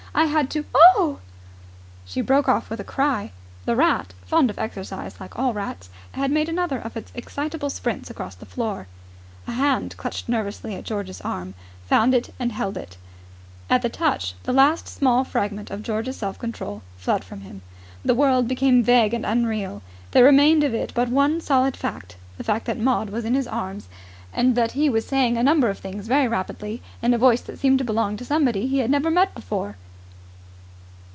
I had to ..." She broke off with a cry. The rat, fond of exercise like all rats, had made another of its excitable sprints across the floor. A hand clutched nervously at George's arm, found it and held it. And at the touch the last small fragment of George's self control fled from him. The world became vague and unreal. There remained of it but one solid fact the fact that Maud was in his arms and that he was saying a number of things very rapidly in a voice that seemed to belong to somebody he had never met before.